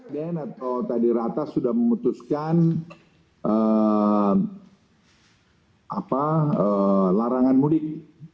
dan atau tadi rata sudah memutuskan larangan mudik